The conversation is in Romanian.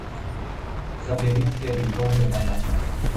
Să privim spre viitor de data aceasta.